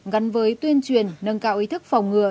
gắn với tuyên truyền nâng cao ý thức phòng ngừa